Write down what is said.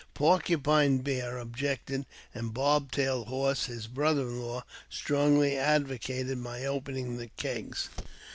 Porcupine Bear objected, and Bob tailed Horse, his brother in law, strongly advocated my opening the kegs.